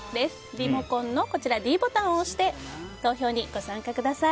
リモコンのｄボタンを押して投票にご参加ください。